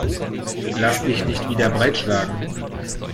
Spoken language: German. Lass dich nicht wieder breitschlagen.